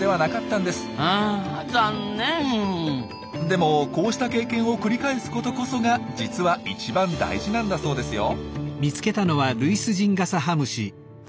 でもこうした経験を繰り返すことこそが実は一番大事なんだそうですよ。